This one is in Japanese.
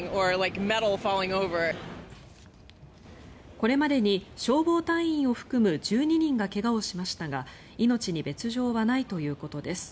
これまでに消防隊員を含む１２人が怪我をしましたが命に別条はないということです。